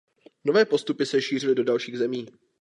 Nové postupy se šířily do dalších zemí.